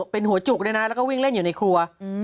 เป็นหัวจุกด้วยนะแล้วก็วิ่งเล่นอยู่ในครัว